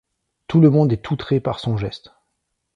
Tout le monde est outré par son geste.